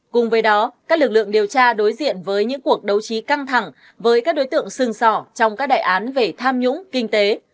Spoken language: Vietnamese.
cùng với đó các lực lượng điều tra đối diện với những cuộc đấu trí căng thẳng với các đối tượng sừng sỏ trong các đại án về tham nhũng kinh tế